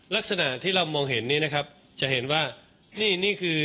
ลักษณะที่เรามองเห็นนี้นะครับจะเห็นว่านี่นี่คือ